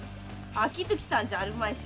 秋月さんじゃあるまいし。